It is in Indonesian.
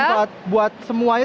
bermanfaat buat semuanya